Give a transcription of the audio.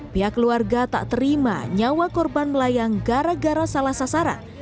pihak keluarga tak terima nyawa korban melayang gara gara salah sasaran